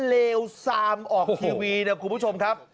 เลวซามออกทีวีนะคุณผู้ชมครับ